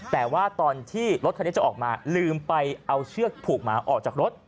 แต่ว่าตอนที่รถคันนี้จะออกมาลืมไปเอาเชือกผูกหมาออกจากรถ